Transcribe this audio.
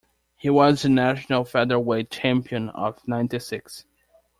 He was the national featherweight champion of ninety-six.